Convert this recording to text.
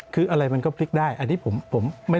คืออะไรมันก็พลิกได้อันนี้ผมไม่